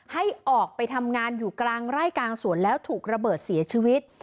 ให้ออกไปทำงานอยู่กลางไร่กลางสวนแล้วถูกระเบิดเสียชีวิต